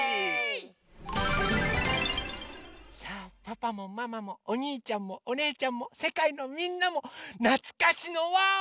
さあパパもママもおにいちゃんもおねえちゃんもせかいのみんなもなつかしの「わお！」ですよ！